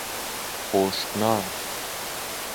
خشک نان